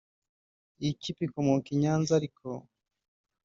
Iyi kipe ikomoka i Nyanza ariko